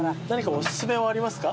お薦めはありますか？